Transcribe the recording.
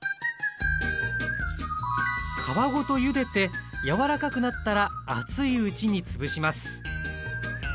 皮ごとゆでて柔らかくなったら熱いうちにつぶします